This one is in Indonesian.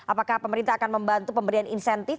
apakah pemerintah akan membantu pemberian insentif